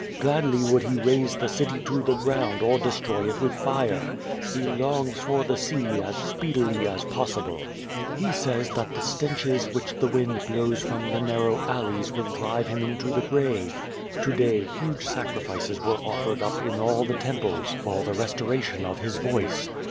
Gladly would he raze the city to the grouiuTor destroy it ^vith fire. He longs for the sea a.s speedily as possible. lie sjiys that the stenches which the 266 Q^^ VADI8. wind blows from the narrow alleys will drive him into the grave. To day huge sacrifices were offered up in all the tern jiles for the restoration of his voice.